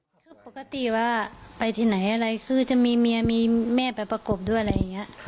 ภาษาหน่วยปกติว่าไปที่ไหนอะไรมีเมียมีแม่ไปประกบด้วยอะไรอย่างนี้